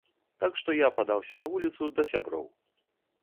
Так што, я падаўся на вуліцу, да сяброў.